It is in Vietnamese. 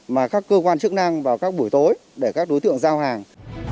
mà các cơ quan chức năng vào các buổi tối để các đối tượng giao hàng